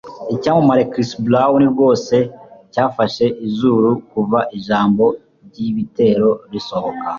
Icyamamare cya Chris Brown rwose cyafashe izuru kuva ijambo ryibitero risohoka.